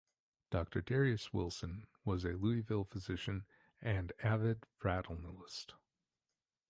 Doctor Darius Wilson was a Louisville physician and avid fratalnalist.